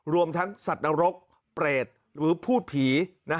รวมทั้งสัตว์นรกเปรตหรือพูดผี